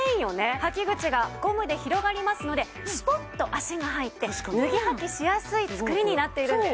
履き口がゴムで広がりますのでスポッと足が入って脱ぎ履きしやすい作りになっているんです。